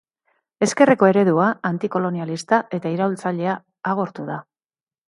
Ezkerreko eredua, antikolonialista eta iraultzailea agortu da.